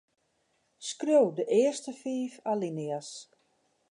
Skriuw de earste fiif alinea's.